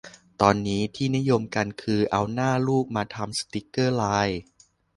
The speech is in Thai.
ตอนนี้ที่นิยมกันคือเอาหน้าลูกมาทำสติกเกอร์ไลน์